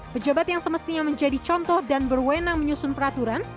pejabat yang semestinya menjadi contoh dan berwenang menyusun peraturan